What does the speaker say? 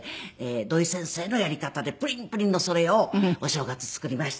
土井先生のやり方でプリンプリンのそれをお正月作りました。